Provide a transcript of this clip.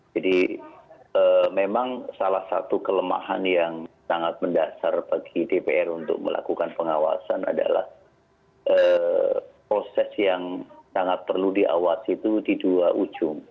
jadi memang salah satu kelemahan yang sangat mendasar bagi dpr untuk melakukan pengawasan adalah proses yang sangat perlu diawas itu di dua ujung